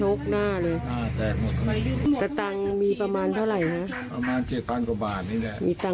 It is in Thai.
อืมใช้อะไรตีอ่ะ